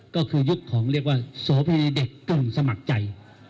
ก็คือยุคของเรียกว่าโสพีเด็กกลุ่มสมัครใจ